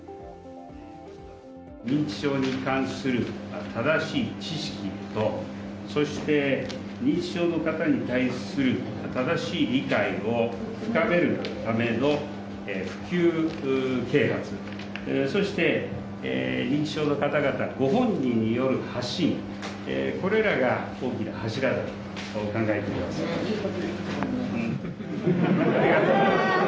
認知症に関する正しい知識と、そして認知症の方に対する正しい理解を深めるための普及啓発、そして認知症の方々ご本人による発信、これらが大きな柱だと考えいいことですね。